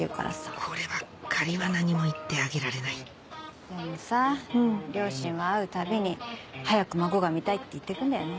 こればっかりは何も言ってあげられないでもさ両親は会うたびに早く孫が見たいって言ってくんだよね。